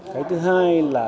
cái thứ hai là